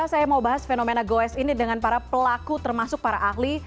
saya mau bahas fenomena goes ini dengan para pelaku termasuk para ahli